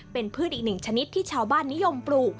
เป็นพืชอีกหนึ่งชนิดที่ชาวบ้านนิยมปลูก